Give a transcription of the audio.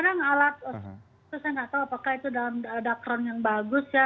kadang kadang alat itu saya tidak tahu apakah itu dalam dacron yang bagus ya